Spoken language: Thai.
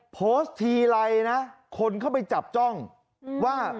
โพสต์ทีไรนะคนเข้าไปจับจ้องว่า